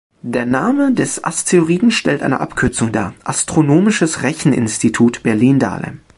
Der Name des Asteroiden stellt eine Abkürzung dar: Astronomisches Rechen-Institut, Berlin Dahlem.